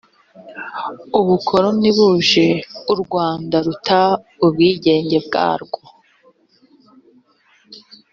ubukoroni buje u rwanda ruta ubwigenge bwarwo